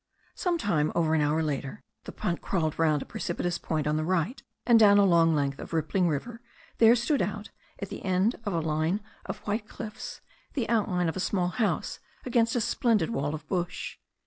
Sometime over an hour later the punt crawled round a precipitous point on the right, and down a long length of rippling river there stood out, at the end of a line of white cliffs, the outline of a small house against a splendid wall of bush.